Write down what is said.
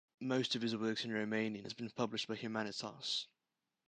Most of his works in Romanian have been published by Humanitas.